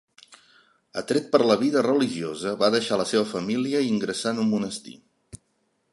Atret per la vida religiosa, va deixar la seva família i ingressà en un monestir.